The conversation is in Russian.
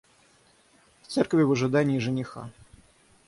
В церкви в ожидании жениха.